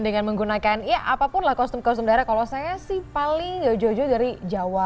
dengan menggunakan ya apapun lah kostum kostum darah kalau saya sih paling jojo dari jawa